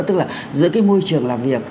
tức là giữa cái môi trường làm việc